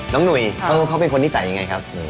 หนุ่ยเขาเป็นคนนิสัยยังไงครับ